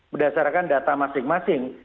berdasarkan data masing masing